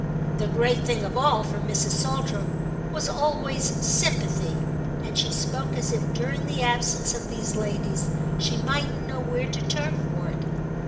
The great thing of all for Mrs. Saltram was always sympathy, and she spoke as if during the absence of these ladies she mightn't know where to turn for it.